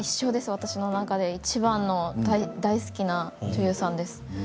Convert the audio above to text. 私の中で大好きな女優さんです。